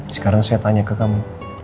sekarang saya tanya ke kamu